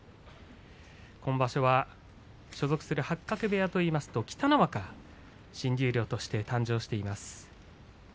今場所は所属する八角部屋といいますと北の若新十両として誕生しています。